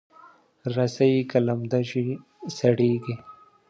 رسۍ که لمده شي، سړېږي.